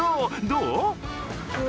どう？